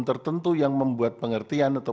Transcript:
tertentu yang membuat pengertian atau